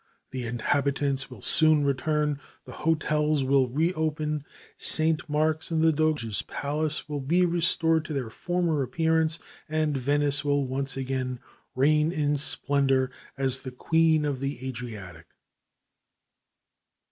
The inhabitants will soon return, the hotels will reopen, St. Mark's and the Doges' Palace will be restored to their former appearance, and Venice will once again reign in splendor as the Queen of the Adriatic.